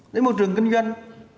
đến môi trường kinh doanh